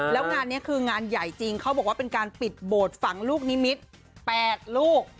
แล้วงานนี้คืองานใหญ่จริงเขาบอกว่าเป็นการปิดโบสถ์ฝังลูกนิมิตร๘ลูก